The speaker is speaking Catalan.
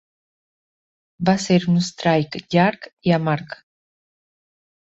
Va ser un strike llarg i amarg.